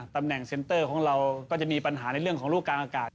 ตำแหน่งเซ็นเตอร์ของเราก็จะมีปัญหาในเรื่องของลูกกลางอากาศ